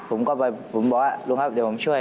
ผมก็ไปผมบอกว่าลุงครับเดี๋ยวผมช่วย